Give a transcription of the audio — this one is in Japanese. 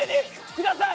ください！